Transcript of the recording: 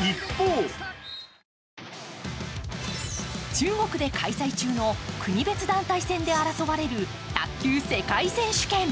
一方中国で開催中の国別団体戦で争われる卓球世界選手権。